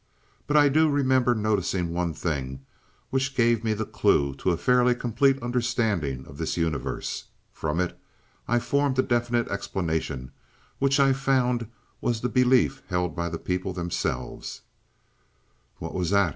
But I do remember noticing one thing which gave me the clew to a fairly complete understanding of this universe. From it I formed a definite explanation, which I found was the belief held by the people themselves." "What was that?"